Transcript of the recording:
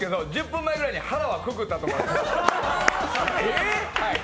１０分前ぐらいに腹はくくったと思います。